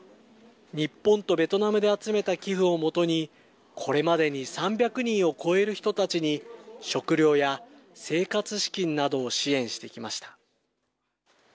日本とベトナムで集めた寄付をもとに、これまでに３００人を超える人たちに食料や生活資金などを支援してきました。